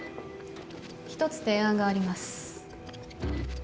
１つ提案があります。